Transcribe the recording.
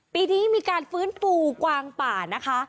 ปีนี้มีการฟื้นฟูกวางป่านะคะ